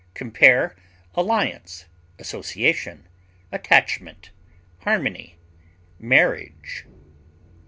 Compare ALLIANCE; ASSOCIATION; ATTACHMENT; HARMONY; MARRIAGE.